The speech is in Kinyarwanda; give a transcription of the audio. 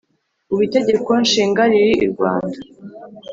ubu itegeko nshinga riri irwanda